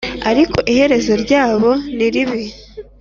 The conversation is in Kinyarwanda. Ariko iherezo ryabo niribi